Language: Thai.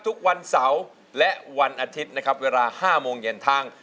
ทุกวันเสาร์และวันอาทิตย์เวลา๐๕๐๐นทาง